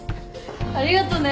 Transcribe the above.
ありがとね。